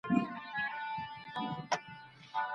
که ښځې کشرانو ته مینه ورکړي نو روزنه به نه وي غلطه.